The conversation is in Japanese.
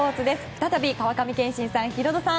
再び川上憲伸さん、ヒロドさん